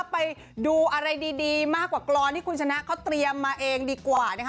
ไปดูอะไรดีมากกว่ากรอนที่คุณชนะเขาเตรียมมาเองดีกว่า